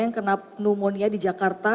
yang kena pneumonia di jakarta